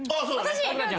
私？